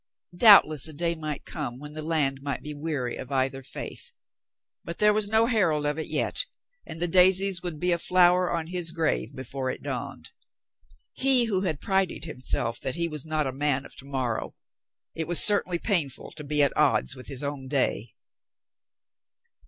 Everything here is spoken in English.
Doubtless a day might come when the land might be weary of either faith, but there was no herald of it yet, and the daisies would be a flower on his grave before it dawned. He who had prided himself that he was not a man of to morrow! It was certainly painful to be at odds with his own day.